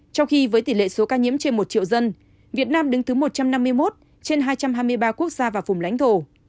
trong khi với tỷ lệ số ca nhiễm trên một triệu dân việt nam đứng thứ một trăm năm mươi một trên hai trăm hai mươi ba quốc gia và vùng lãnh thổ